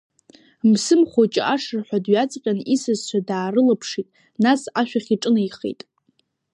Мсым Хәыҷы ашырҳәа дҩаҵҟьан исасцәа даарылаԥшит, нас ашәахь иҿынеихеит.